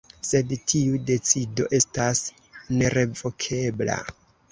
Sed tiu decido estas nerevokebla.